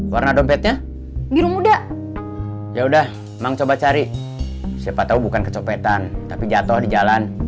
warna dompetnya biru muda ya udah emang coba cari siapa tahu bukan kecopetan tapi jatuh di jalan